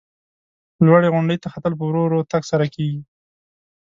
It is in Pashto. لوړې غونډۍ ته ختل په ورو ورو تگ سره کیږي.